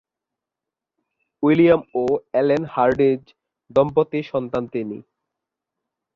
William ও Ellen Hardinge দম্পতির সন্তান তিনি।